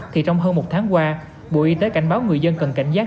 thì trong hơn một tháng qua bộ y tế cảnh báo người dân cần cảnh giác